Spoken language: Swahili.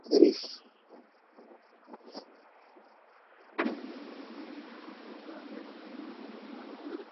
nukta tano fm haya ni matangazo ya jioni ya idhaa ya kiswahili rfi